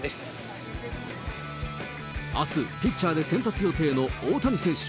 あす、ピッチャーで先発予定の大谷選手。